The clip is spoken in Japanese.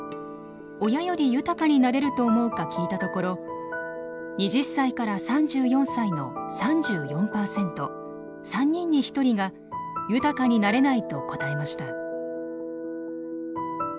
親より豊かになれると思うか聞いたところ２０歳から３４歳の３４％３人に１人が豊かになれないと答えました。